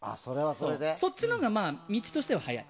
そっちのほうが道としては早い。